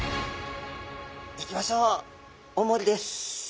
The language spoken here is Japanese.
いきましょうおもりです。